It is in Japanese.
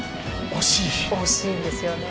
惜しいんですよね。